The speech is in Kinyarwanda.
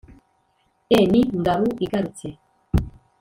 eee ni ngaru igarutse